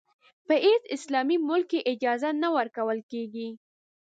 په هېڅ اسلامي ملک کې اجازه نه ورکول کېږي.